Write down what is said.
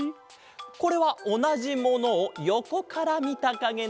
これはおなじものをよこからみたかげだ。